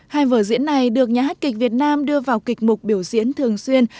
hai vở diễn này được nhà hát kịch việt nam đưa vào kịch mục biểu diễn thường xuyên